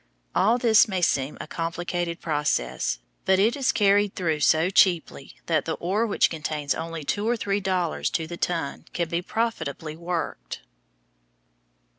All this may seem a complicated process, but it is carried through so cheaply that the ore which contains only two or three dollars to the ton can be profitably worked.